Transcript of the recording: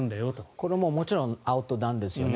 これはもちろんアウトなんですよね。